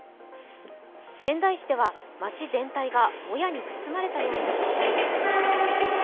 仙台市では、街全体がもやに包まれたような状態に。